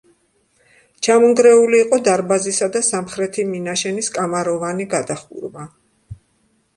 ჩამონგრეული იყო დარბაზისა და სამხრეთი მინაშენის კამაროვანი გადახურვა.